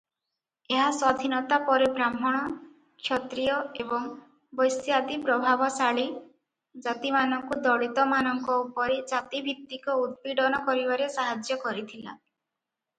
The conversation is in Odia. ଏହା ସ୍ୱାଧୀନତା ପରେ ବ୍ରାହ୍ମଣ, କ୍ଷତ୍ରିୟ ଏବଂ ବୈଶ୍ୟାଦି ପ୍ରଭାବଶାଳୀ ଜାତିମାନଙ୍କୁ ଦଳିତମାନଙ୍କ ଉପରେ ଜାତିଭିତ୍ତିକ ଉତ୍ପୀଡ଼ନ କରିବାରେ ସାହାଯ୍ୟ କରିଥିଲା ।